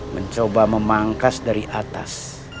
mencoba memangkas dari atas